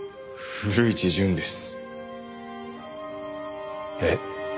古市潤です。